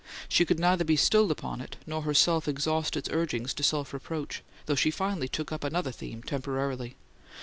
She could neither be stilled upon it, nor herself exhaust its urgings to self reproach, though she finally took up another theme temporarily.